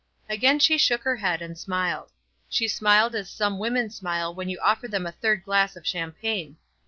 Again she shook her head and smiled. She smiled as some women smile when you offer them a third glass of champagne.